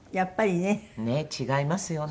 ねえ違いますよね。